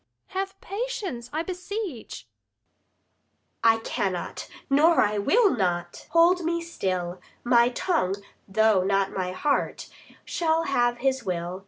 Luc. Have patience, I beseech. Adr. I cannot, nor I will not, hold me still; My tongue, though not my heart, shall have his will.